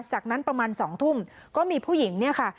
จากนั้นประมาณ๒ทุ่มก็มีผู้หญิงเนี่ยค่ะ